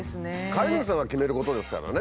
飼い主さんが決めることですからね。